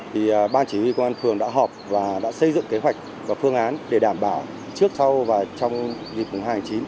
thì ban chỉ huy công an phường đã họp và đã xây dựng kế hoạch và phương án để đảm bảo trước sau và trong dịp mùng hai tháng chín